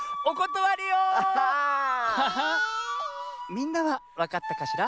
みんなはわかったかしら？